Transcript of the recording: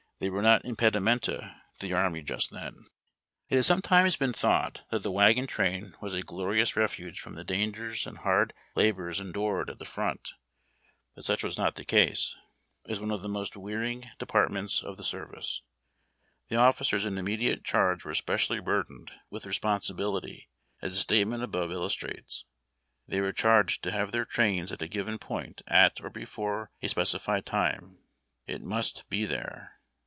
They were not impedimenta to the army just then. A RM r ]VAGO N 77? A INS. 365 It has sometimes been thought that the wagon train was a glorious refuge from the dangers and hard hibors endured at the front, but such was not the case. It was one of the COMMISSARY DEPOT AT CEDAU LEVEL. — FROM A PHOTOGRArH. most wearing departments of the service. The officers in immediate charge were especially burdened with responsibil ity, as the statement above illustrates. They were charged to have their trains at a given point at or before a speci fied time. It vnii<t be there.